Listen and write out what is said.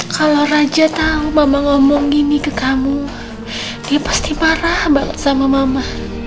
kalau raja tahu mama ngomong gini ke kamu dia pasti parah banget sama mama